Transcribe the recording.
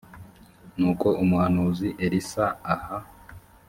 nuko umuhanuzi elisa aha